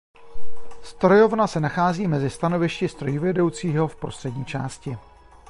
Strojovna se nachází mezi stanovišti strojvedoucího v prostřední části.